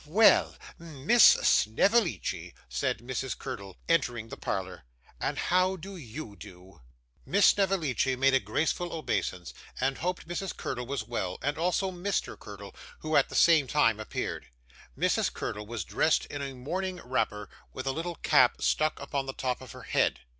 'Well, Miss Snevellicci,' said Mrs. Curdle, entering the parlour, 'and how do YOU do?' Miss Snevellicci made a graceful obeisance, and hoped Mrs. Curdle was well, as also Mr. Curdle, who at the same time appeared. Mrs. Curdle was dressed in a morning wrapper, with a little cap stuck upon the top of her head.